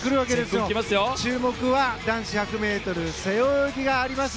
注目は男子１００ｍ背泳ぎがあります。